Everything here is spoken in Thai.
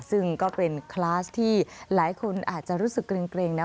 ซึ่งก็เป็นคลาสที่หลายคนอาจจะรู้สึกเกร็งนะ